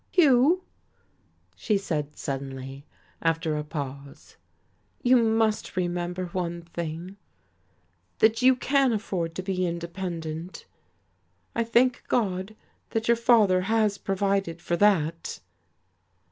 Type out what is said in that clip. "Hugh," she said suddenly, after a pause, "you must remember one thing, that you can afford to be independent. I thank God that your father has provided for that!"